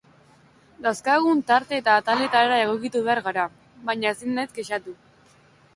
Dauzkagun tarte eta ataletara egokitu behar gara, baina ezin naiz kexatu.